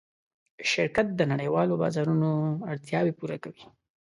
شرکت د نړۍوالو بازارونو اړتیاوې پوره کوي.